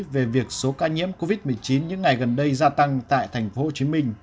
về việc số ca nhiễm covid một mươi chín những ngày gần đây gia tăng tại tp hcm